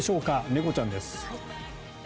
猫ちゃんです。